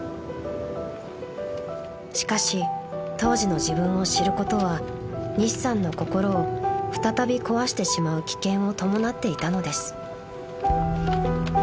［しかし当時の自分を知ることは西さんの心を再び壊してしまう危険を伴っていたのです］